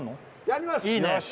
やりますいいね